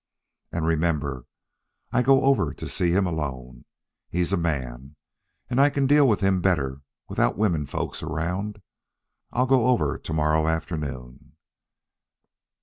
"And remember, I go over to see him alone. He's a man, and I can deal with him better without womenfolks around. I'll go over to morrow afternoon."